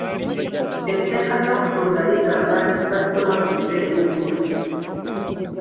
Etteeka ly’okutunda ligamba nti kasitoma bulijjo ye mutuufu.